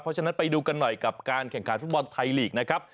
เพราะฉะนั้นไปดูกันหน่อยกับการแข่งขันฟุตบอลไทยลีกนะครับ